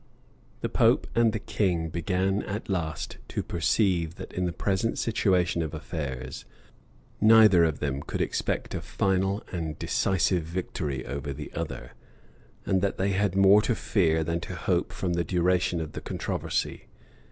The pope and the king began at last to perceive that, in the present situation of affairs, neither of them could expect a final and decisive victory over the other, and that they had more to fear than to hope from the duration of the controversy.